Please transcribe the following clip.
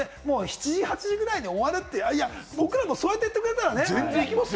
７時、８時に終わるって、僕らもそう言ってくれたらね。